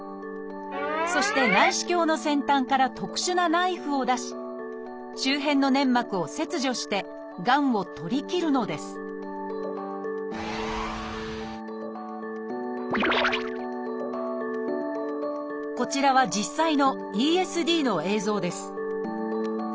そして内視鏡の先端から特殊なナイフを出し周辺の粘膜を切除してがんを取り切るのですこちらは実際のＥＳＤの映像です